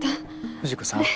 藤子さん。